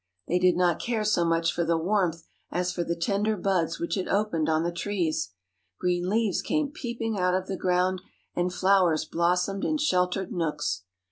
They did not care so much for the warmth as for the tender buds which it opened on the trees. Green leaves came peeping out of the ground, and flowers blossomed in sheltered nooks.